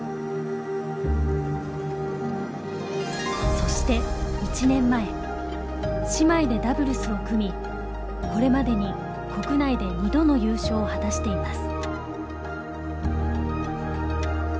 そして１年前姉妹でダブルスを組みこれまでに国内で２度の優勝を果たしています。